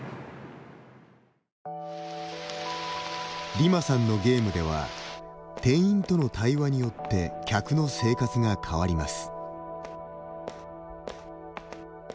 ディマさんのゲームでは店員との対話によって客の生活が変わります。